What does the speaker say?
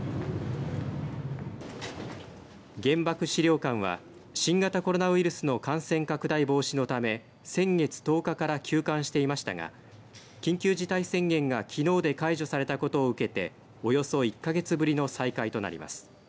原爆資料館は新型コロナウイルスの感染拡大防止のため先月１０日から休館していましたが緊急事態宣言がきのうで解除されたことを受けておよそ１か月ぶりの再開となります。